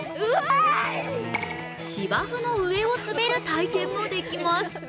芝生の上を滑る体験もできます。